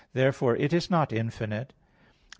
Therefore it is not infinite. Obj.